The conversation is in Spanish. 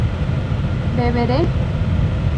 ¿beberé?